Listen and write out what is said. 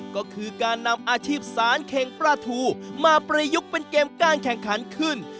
ก็คือการนำอาชีพสารเข่งปลาทูมาประยุกต์เป็นเกมการแข่งขันขึ้น